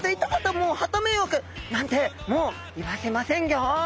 もうハタ迷惑なんてもう言わせませんギョ！